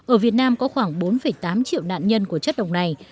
ở việt nam có khoảng bốn tám triệu nạn nhân của chất độc này